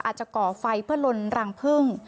ก่อไฟเพื่อลนรังพึ่ง